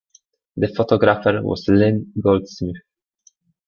The photographer was Lynn Goldsmith.